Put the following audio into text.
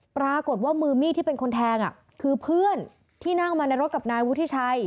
ปรากฏว่ามือมีดที่เป็นคนแทงคือเพื่อนที่นั่งมาในรถกับนายวุฒิชัย